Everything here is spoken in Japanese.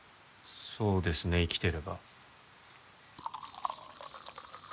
そうですね生きてれば。